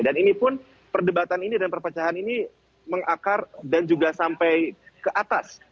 dan ini pun perdebatan ini dan perpecahan ini mengakar dan juga sampai ke atas